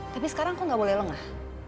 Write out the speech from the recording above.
tapi sekarang aku gak boleh lengah